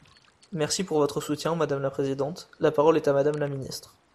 Merci pour votre soutien, madame la présidente ! La parole est à Madame la ministre.